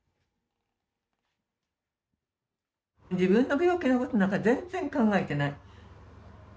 自分の病気のことなんか全然考えてない。